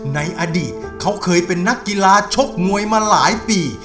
ในอดีตเขาเคยเป็นนักกีฬาชกมวยมาหลายปี